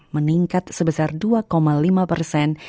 meningkat sebesar dua lima persen